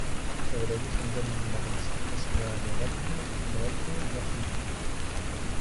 Sobre ellos se encuentran localizadas las ciudades de Baltimore, Filadelfia y Washington.